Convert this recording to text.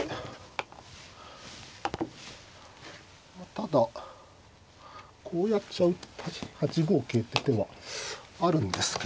ただこうやっちゃう８五桂って手はあるんですけどね。